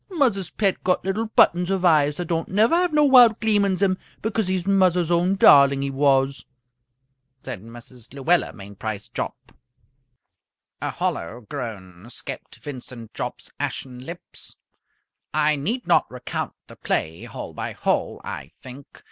"Muzzer's pet got little buttons of eyes, that don't never have no wild gleam in zem because he's muzzer's own darling, he was!" said Mrs. Luella Mainprice Jopp. A hollow groan escaped Vincent Jopp's ashen lips. I need not recount the play hole by hole, I think.